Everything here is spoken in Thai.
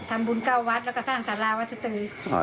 ก็ทำบุญเก้าวัดแล้วก็สร้างศาลาวัฒนธรรม